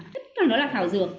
tất cả nó là thảo dược